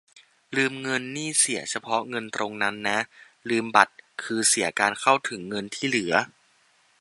ลืมเงินนี่เสียเฉพาะเงินตรงนั้นนะ ลืมบัตรคือเสียการเข้าถึงเงินที่เหลือ